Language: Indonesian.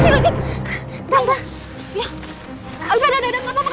udah udah udah gak apa apa